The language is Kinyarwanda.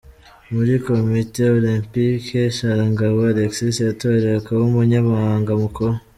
Muri Komite Olempike, Sharangabo Alexis yatorewe kuba Umunyamabanga mukuru.